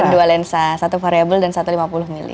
dan dua lensa satu variable dan satu lima puluh mili